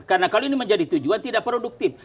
karena kalau ini menjadi tujuan tidak produktif